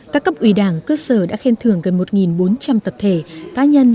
các cấp ủy đảng cơ sở đã khen thưởng gần một bốn trăm linh tập thể cá nhân